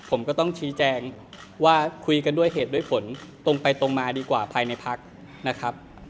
ผมก็ต้องชี้แจงว่าคุยกันด้วยเหตุด้วยผลตรงไปตรงมาดีกว่าภายในพักนะครับ